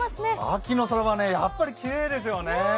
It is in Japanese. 秋の空はやっぱりきれいですよね。